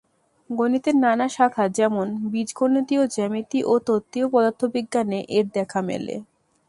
গণিতের নানা শাখা যেমন: বীজগণিতীয় জ্যামিতি এবং তত্ত্বীয় পদার্থবিজ্ঞানে এর দেখা মেলে।